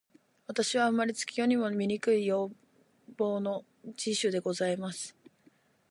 私は生れつき、世にも醜い容貌の持主でございます。